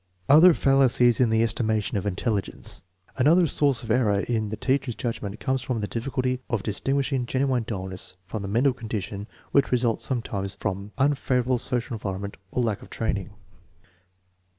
Other fallacies in the estimation of intelligence. An other source of error in the teacher's judgment comes from the difficulty in distinguishing genuine dullness from the mental condition which results sometimes from unfavorable social environment or lack of training.